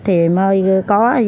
thì mơ có